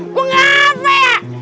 gue gak apa ya